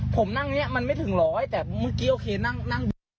ผมนั่งนี้มันไม่ถึงร้อยแต่เมื่อกี้โอเคนั่งดู